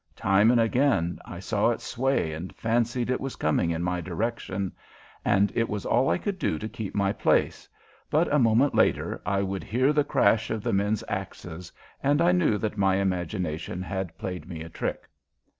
Time and again I saw it sway and fancied it was coming in my direction, and it was all I could do to keep my place, but a moment later I would hear the crash of the men's axes and I knew that my imagination had played me a trick.